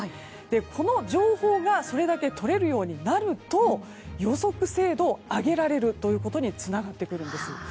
この情報がそれだけとれるようになると予測精度を上げられることにつながってくるんです。